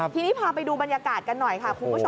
ทีนี้พาไปดูบรรยากาศกันหน่อยค่ะคุณผู้ชม